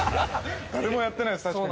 ◆誰もやってないです、確かに。